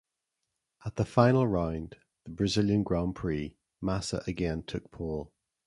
At the final round, the Brazilian Grand Prix, Massa again took pole.